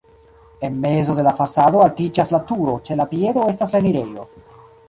En mezo de la fasado altiĝas la turo, ĉe la piedo estas la enirejo.